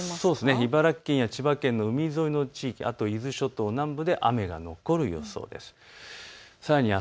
茨城県や千葉県の海沿いの地域、あと伊豆諸島南部で雨が残る予想です。